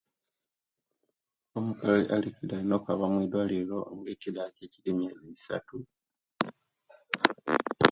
Omukali alikida alina okwaba mudwaliro nga ekida kiyemiezi isatu